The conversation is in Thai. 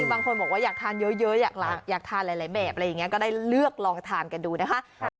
บางคนบอกว่าอยากทานเยอะอยากทานหลายแบบอะไรอย่างนี้ก็ได้เลือกลองทานกันดูนะคะ